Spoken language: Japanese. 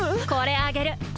これあげる。